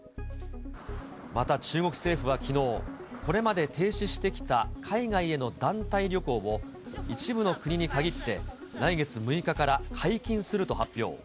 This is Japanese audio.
また中国政府はきのう、これまで停止してきた海外への団体旅行を、一部の国に限って、来月６日から解禁すると発表。